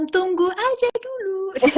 tunggu aja dulu